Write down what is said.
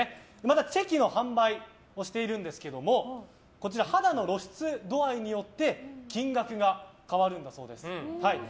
チェキの販売をしているんですけども肌の露出度合いによって金額が変わるんだそうです。